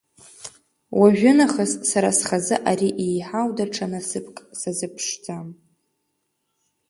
Уажәынахыс сара схазы ари иеиҳау даҽа насыԥк сазыԥшӡам.